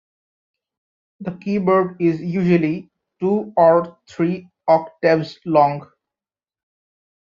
The keyboard is usually two or three octaves long.